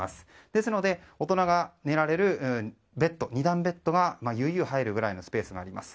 ですので、大人が寝られる２段ベッドがゆうゆう入るぐらいのスペースがあります。